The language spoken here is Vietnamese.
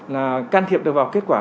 là can thiệp được vào kết quả